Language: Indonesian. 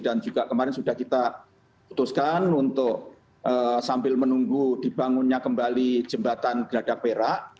dan juga kemarin sudah kita putuskan untuk sambil menunggu dibangunnya kembali jembatan gerada perak